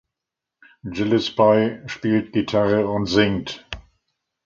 Gillespie spielt Gitarre und singt.